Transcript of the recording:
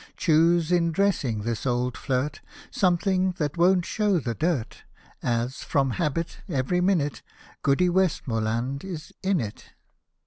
Choose, in dressing this old iint. Something that won't show the dirt. As, from habit, every minute Goody W — stm — 1 — d is in it.